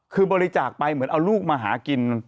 คือบริจาคไปเหมือนเอาลูกมาหากิน